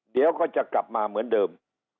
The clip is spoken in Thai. เดี๋ยวก็จะกลับมาเหมือนเดิม